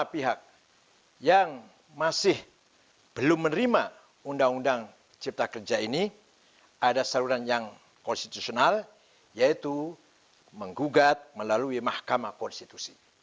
pada sabtu sepuluh oktober menaker ida fauzia mengungjungi said untuk menjelaskan visi pemerintah melalui ruu cipta kerja kamis lalu